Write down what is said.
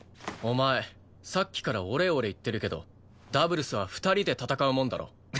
お前さっきから「俺俺」言ってるけどダブルスは２人で戦うもんだろ。